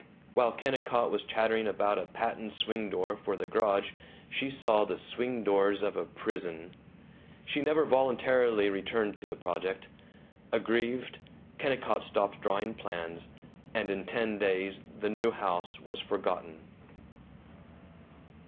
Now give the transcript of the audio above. While Kennicott was chattering about a patent swing door for the garage she saw the swing doors of a prison. She never voluntarily returned to the project. Aggrieved, Kennicott stopped drawing plans, and in ten days the new house was forgotten.